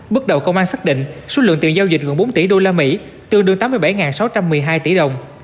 bước đầu công an xác định số lượng tiền giao dịch gần bốn tỷ usd tương đương tám mươi bảy sáu trăm một mươi hai tỷ đồng